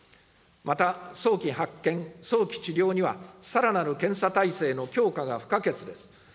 また早期発見、早期治療には、さらなる検査体制の強化が不可欠です。